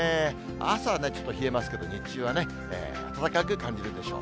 朝はね、ちょっと冷えますけど、日中はね、暖かく感じるでしょう。